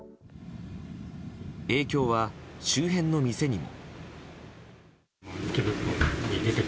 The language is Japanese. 影響は、周辺の店にも。